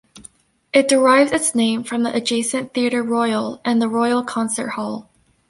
It derives its name from the adjacent Theatre Royal and the Royal Concert Hall.